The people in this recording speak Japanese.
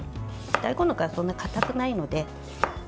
大根の皮はそんな、かたくないので。